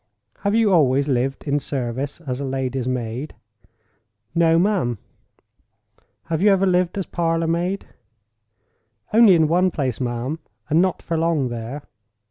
Have you always lived in service as lady's maid?" "No, ma'am." "Have you ever lived as parlor maid?" "Only in one place, ma'am, and not for long there."